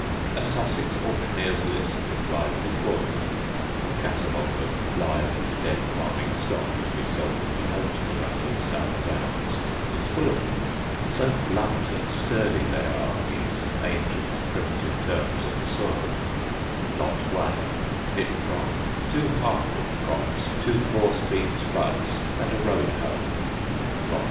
A Sussex auctioneer's list that lies before me a catalogue of live and dead farming stock to be sold at a homestead under the South Downs is full of them. So blunt and sturdy they are, these ancient primitive terms of the soil: "Lot 1. Pitch prong, two half pitch prongs, two 4 speen spuds, and a road hoe. Lot 5.